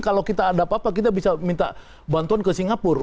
kalau kita ada apa apa kita bisa minta bantuan ke singapura